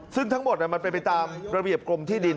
ซึ่งทั้งหมดมันเป็นไปตามระเบียบกรมที่ดิน